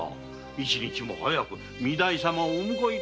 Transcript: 一日も早く御台様をと。